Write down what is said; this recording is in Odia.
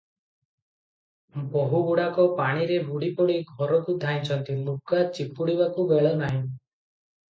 ବୋହୂଗୁଡ଼ାକ ପାଣିରେ ବୁଡ଼ିପଡ଼ି ଘରକୁ ଧାଇଁଛନ୍ତି, ଲୁଗା ଚିପୁଡ଼ିବାକୁ ବେଳନାହିଁ ।